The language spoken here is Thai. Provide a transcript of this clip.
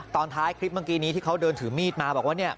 ตอนท้ายคลิปเมื่อกี้นี้ที่เขาเดินถือมีดมาบอกว่าเนี่ย